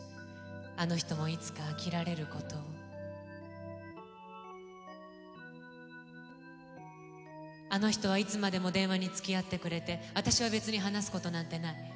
あの女もいつか飽きられることを⁉あの女はいつまでも電話につきあってくれてあたしは別に話すことなんてない。